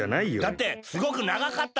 だってすごくながかったから。